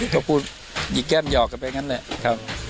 ก็พูดหยิกแก้มหยอกแบบนั้นแหละครับ